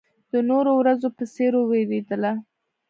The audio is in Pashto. د نورو ورځو په څېر وېرېدله.